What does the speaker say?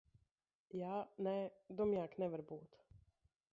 Jā, nē. Dumjāk nevar būt.